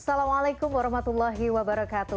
assalamualaikum warahmatullahi wabarakatuh